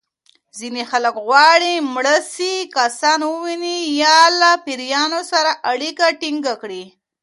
ځینې خلک غواړي مړه شوي کسان وویني یا له پېریانو سره اړیکه ټېنګه کړي.